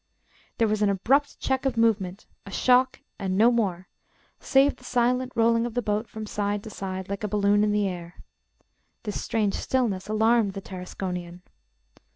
There was an abrupt check of movement, a shock, and no more, save the silent rolling of the boat from side to side like a balloon in the air. This strange stillness alarmed the Tarasconian.